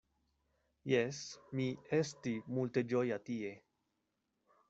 Jes, mi esti multe ĝoja tie.